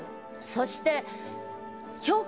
そして。